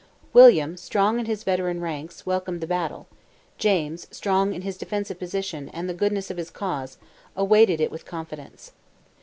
William, strong in his veteran ranks, welcomed the battle; James, strong in his defensive position, and the goodness of his cause, awaited it with confidence.